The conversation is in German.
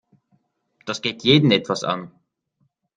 Das geht jeden etwas an.